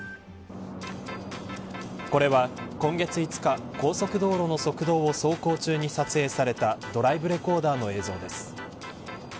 これは、今月５日、高速道路の側道を走行中に撮影されたドライブレコーダーの映像です。